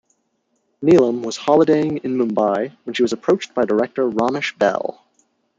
Neelam was holidaying in Mumbai when she was approached by director Ramesh Behl.